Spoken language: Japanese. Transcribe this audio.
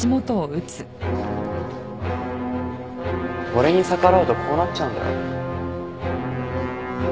俺に逆らうとこうなっちゃうんだよ。